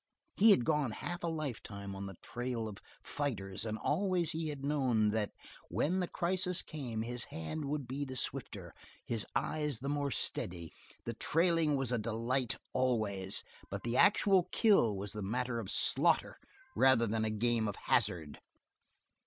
He had gone half a lifetime on the trail of fighters and always he had known that when the crisis came his hand would be the swifter, his eyes the more steady; the trailing was a delight always, but the actual kill was a matter of slaughter rather than a game of hazard.